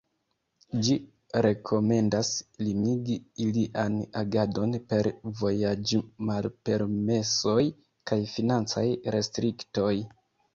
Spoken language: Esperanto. Ĝi rekomendas limigi ilian agadon per vojaĝmalpermesoj kaj financaj restriktoj.